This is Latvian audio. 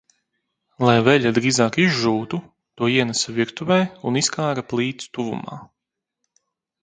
Lai veļa drīzāk izžūtu, to ienesa virtuvē un izkāra plīts tuvumā.